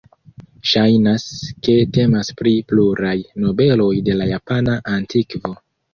Ŝajnas ke temas pri pluraj nobeloj de la japana antikvo.